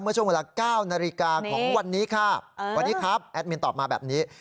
เมื่อช่วงเวลา๙นาฬิกาของวันนี้ครับวันนี้ครับแอดมินตอบมาแบบนี้